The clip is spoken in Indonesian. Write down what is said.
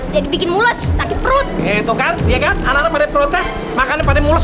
jadi bikin mulut sakit perut itu kan iya kan anak anak protes makannya pada mulut